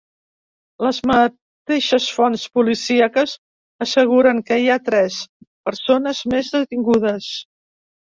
Les mateixes fonts policíaques asseguren que hi ha tres persones més detingudes.